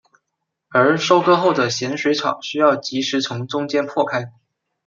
而收割后的咸水草需要即时从中间破开。